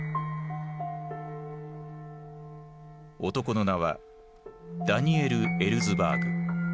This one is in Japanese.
男の名はダニエル・エルズバーグ。